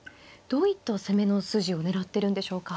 どういった攻めの筋を狙ってるんでしょうか。